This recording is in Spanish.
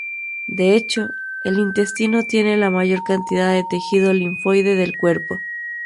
De hecho, el intestino tiene la mayor cantidad de tejido linfoide del cuerpo.